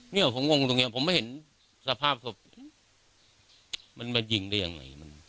เนี่ยผมงงตรงเนี้ยผมไม่เห็นสภาพศพมันมายิงได้ยังไง